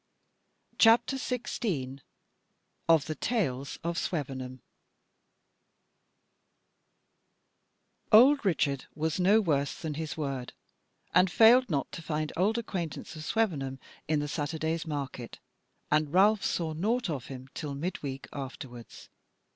CHAPTER 16 Of the Tales of Swevenham Old Richard was no worse than his word, and failed not to find old acquaintance of Swevenham in the Saturday's market: and Ralph saw naught of him till midweek afterwards.